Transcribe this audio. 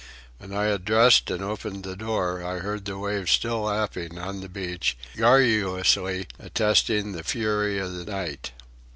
When I had dressed and opened the door, I heard the waves still lapping on the beach, garrulously attesting the fury of the night.